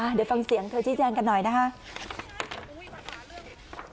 เดี๋ยวฟังเสียงเธอชี้แจงกันหน่อยนะคะ